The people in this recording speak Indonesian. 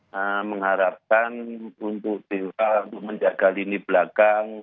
saya mengharapkan untuk dewa untuk menjaga lini belakang